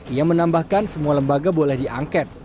ia menambahkan semua lembaga boleh diangket